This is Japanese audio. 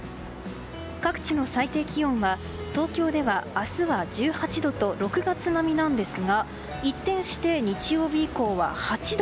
各地の最低気温は東京では明日は１８度と６月並みなんですが一転して日曜日以降は８度。